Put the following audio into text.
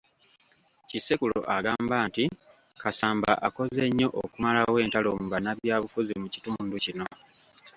Kisekulo agamba nti Kasamba akoze nnyo okumalawo entalo mu bannabyabufuzi mu kitundu kino.